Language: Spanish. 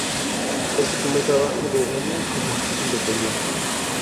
Es el primer trabajo de Enya como artista independiente.